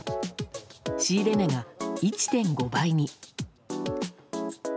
仕入れ値が１．５倍に。